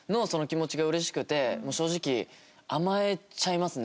正直甘えちゃいますね。